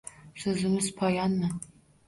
Soʼzimiz poyonmi? –